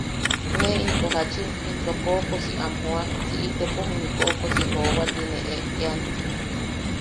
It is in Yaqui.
Ne into jachin into koʼokosi am jooa si itepo juniʼi koʼokosi joowa tine eʼean.